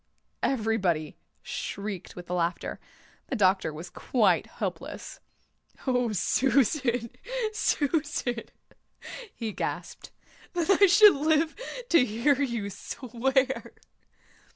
Everybody shrieked with laughter. The doctor was quite helpless. "Oh, Susan, Susan," he gasped. "That I should live to hear you swear."